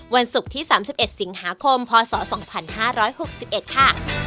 วันศุกร์ที่๓๑สิงหาคมพศ๒๕๖๑ค่ะ